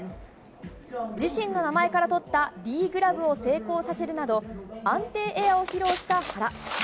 自身の名前からとったＤグラブを成功させるなど安定エアを披露した原。